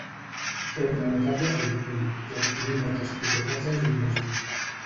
Féu una notable fortuna i adquirí moltes propietats a Llucmajor.